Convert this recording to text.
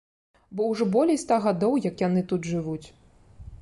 Бо ўжо болей ста гадоў, як яны тут жывуць.